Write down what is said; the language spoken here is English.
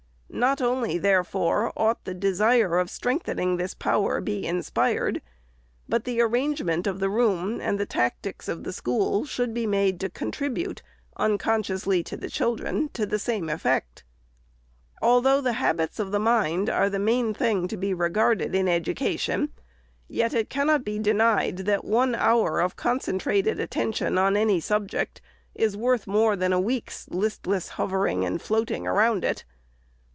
Not only, therefore, ought the desire of strengthening this power to be inspired, but the ar rangement of the room and the tactics of the school should be made to contribute, unconsciously to the chil dren, to the same effect. Although the habits of the mind are the main thing to be regarded in education, yet it cannot be denied that one hour of concentrated atten tion on any subject is worth more than a week's listless hovering and floating around it.